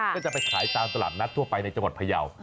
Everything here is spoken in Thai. ก็จะไปขายตามตลาดนัดทั่วไปในจังหวัดพยาว